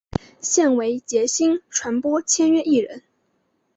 现为杰星传播签约艺人。